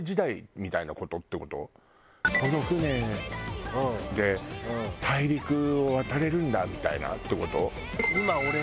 この船で大陸を渡れるんだみたいなって事？